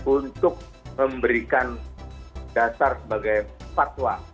untuk memberikan dasar sebagai fatwa